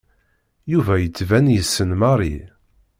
Yuba yettban yessen Mary.